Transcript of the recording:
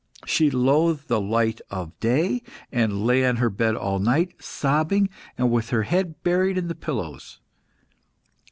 She loathed the light of day, and lay on her bed all day, sobbing, and with her head buried in the pillows.